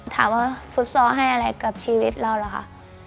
ฟุตซอลให้อะไรกับชีวิตเราเหรอคะ